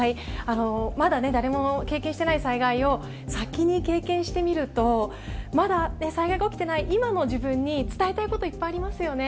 まだ誰も経験してない災害を先に経験してみると、まだ災害が起きていない今の自分に伝えたいこと、いっぱいありますよね。